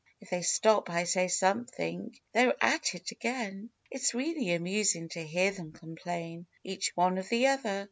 If they stop, I say something, — they're at it again ! It s really amusing to hear them complain Each one of the other